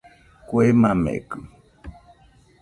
Kue makekɨ